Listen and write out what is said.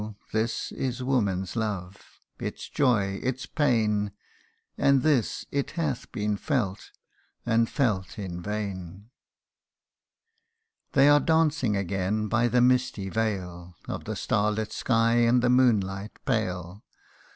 this is woman's love its joy its pain ; And this it hath been felt and felt in vain. CANTO IV. 137 They are dancing again, by the misty veil Of the star lit sky and the moonlight pale.